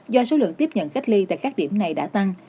do số lượng tiếp nhận cách ly tại các điểm này đã tăng